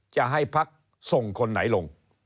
จะให้พักส่งคนไหนลง